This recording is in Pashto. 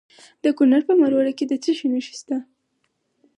د کونړ په مروره کې د څه شي نښې دي؟